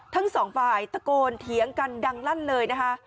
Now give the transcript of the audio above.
ทั้งสองฝ่ายตะโกนเถียงกันดังลั่นเลยนะคะ